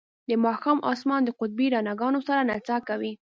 د ماښام اسمان د قطبي رڼاګانو سره نڅا کوي